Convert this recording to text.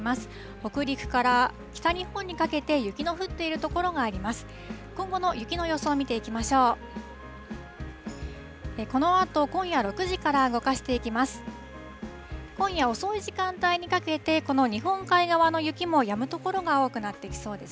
北陸から北日本にかけて雪の降っている所があります。